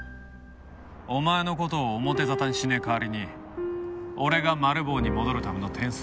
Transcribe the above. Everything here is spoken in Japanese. お前の事を表沙汰にしねえ代わりに俺がマル暴に戻るための点数稼ぎに協力しろ。